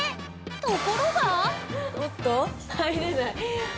ところが！